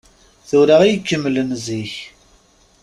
Tura i yekkemmel n zik.